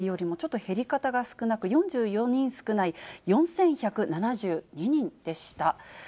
きのうは先週の木曜日よりもちょっと減り方が少なく、４４人少ない４１７２人でした。